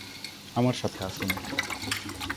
আমার সাথে আসুন